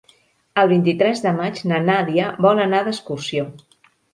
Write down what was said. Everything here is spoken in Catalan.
El vint-i-tres de maig na Nàdia vol anar d'excursió.